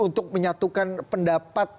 untuk menyatukan pendapat